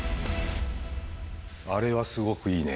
あれはすごくいいね。